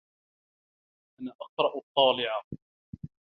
أنا أقرأ الطّالع.